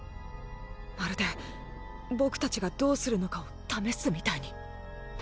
まるで僕たちがどうするのかを試すみたいに。